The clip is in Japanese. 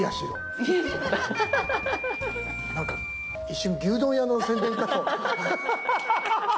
一瞬牛丼屋の宣伝かと。